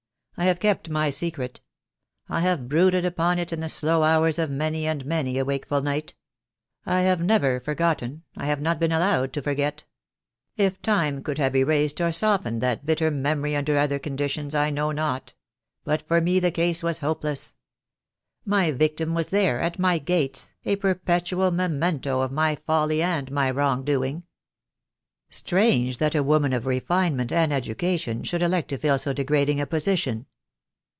I have kept my secret. I have brooded upon it in the slow hours of many and many a wakeful night. I have never forgotten — I have not been allowed to forget. If time could have erased or softened that bitter memory under other conditions I know not; but for me the case was hopeless. My victim was there, at my gates, a perpetual memento of my folly and my wrong doing." "Strange that a woman of refinement and education should elect to fill so degrading a position!"